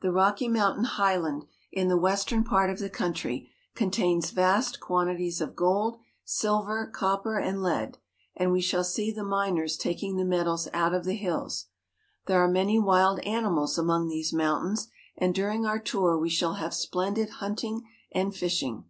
The Rocky Mountain highland, in the western part of the country, contains vast quantities of gold, silver, cop per, and lead, and we shall see the miners taking the metals out of the hills. There are many wild animals among these mountains, and during our tour we shall have splendid hunting and fishing.